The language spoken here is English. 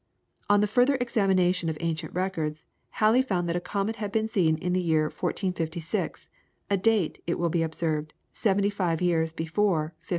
On the further examination of ancient records, Halley found that a comet had been seen in the year 1456, a date, it will be observed, seventy five years before 1531.